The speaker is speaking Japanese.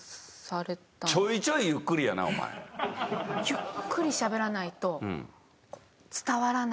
ゆっくりしゃべらないと伝わらない。